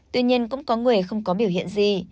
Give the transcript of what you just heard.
tuy nhiên cũng có người không có biểu hiện gì